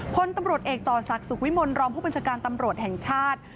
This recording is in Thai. พลตำรวจเอกต่อศักดิ์สุขวิมลรองผู้บัญชาการตำรวจแห่งชาติ